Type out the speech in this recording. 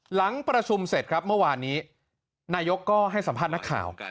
หลังประชุมเสร็จครับเมื่อวานนี้นายกก็ให้สัมภาษณ์นักข่าว